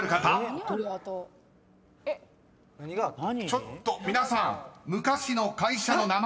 ［ちょっと皆さん昔の会社の名前］